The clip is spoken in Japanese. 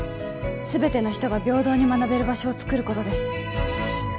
全ての人が平等に学べる場所をつくることです